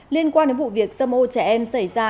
liên quan đến vụ việc xâm ô trẻ em xảy ra